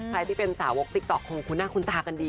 ใครที่เป็นสาวกติ๊กต๊อกคงคุ้นหน้าคุ้นตากันดี